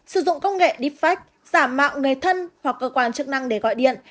sử dụng công nghệ deepfake giả mạo người thân hoặc cơ quan chức năng để gọi điện